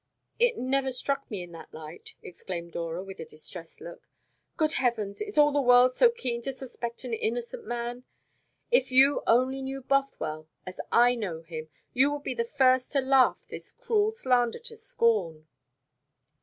"It never struck me in that light," exclaimed Dora, with a distressed look. "Good heavens! is all the world so keen to suspect an innocent man? If you only knew Bothwell as I know him, you would be the first to laugh this cruel slander to scorn."